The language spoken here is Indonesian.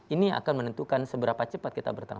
ini akan menentukan seberapa cepat kita bertahan